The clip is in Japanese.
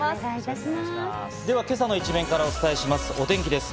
では、今朝の一面からお伝えします。